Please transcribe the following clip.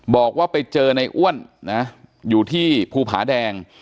บอกว่าไปเจอในอ้วนนะอยู่ที่ภูผาแดง